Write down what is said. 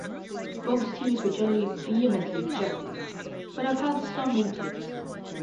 Bugge's theories were generally vehemently rejected, but have had some influence.